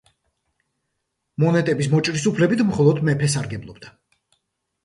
მონეტების მოჭრის უფლებით მხოლოდ მეფე სარგებლობდა.